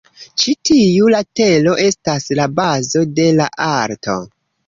Ĉi tiu latero estas la "bazo" de la alto.